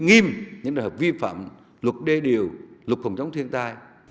nghiêm những trường hợp vi phạm luật đê điều luật phòng chống thiên tai